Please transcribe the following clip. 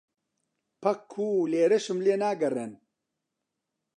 پەکوو لێرەشم لێ ناگەڕێن؟